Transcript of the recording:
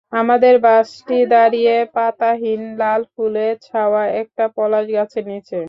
আমাদের বাসটি দাঁড়িয়ে পাতাহীন লাল ফুলে ছাওয়া একটা পলাশ গাছের নিচে।